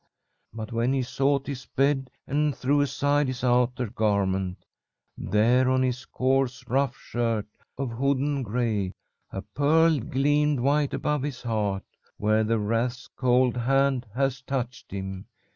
But when he sought his bed, and threw aside his outer garment, there on his coarse, rough shirt of hodden gray a pearl gleamed white above his heart, where the wraith's cold hand had touched him.